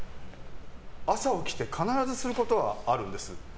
朝、起きて必ずすることはあるんです。